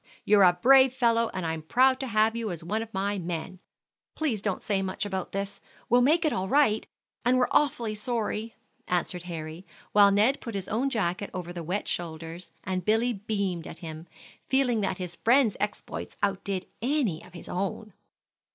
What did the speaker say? You're a brave fellow, and I'm proud to have you one of my men. Please don't say much about this; we'll make it all right, and we're awfully sorry," answered Harry, while Ned put his own jacket over the wet shoulders, and Billy beamed at him, feeling that his friend's exploit outdid any of his own.